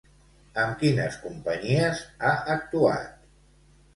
Amb quines companyies ha actuat?